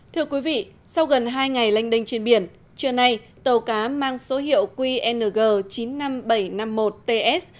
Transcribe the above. thưa quý vị sau gần hai ngày lanh đênh trên biển trưa nay tàu cá mang số hiệu qng chín mươi năm nghìn bảy trăm năm mươi một ts